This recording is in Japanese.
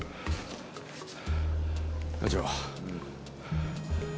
課長。